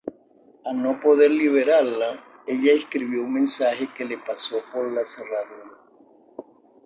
Al no poder liberarla, ella escribió un mensaje que le pasó por la cerradura.